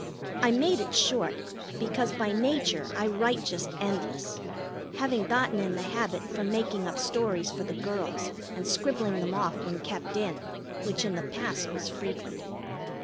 I made it short, because by nature I write just endless, having gotten in the habit from making up stories for the girls and scribbling them off when kept in, which in the past was frequent.